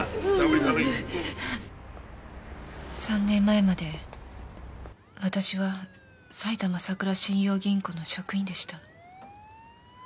３年前まで私は埼玉さくら信用金庫の職員でした。